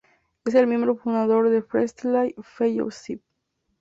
Es el miembro fundador de Freestyle Fellowship.